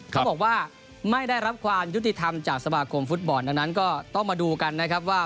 เขาบอกว่าไม่ได้รับความยุติธรรมจากสมาคมฟุตบอลดังนั้นก็ต้องมาดูกันนะครับว่า